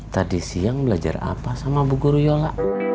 tadi siang belajar apa sama bu guruyola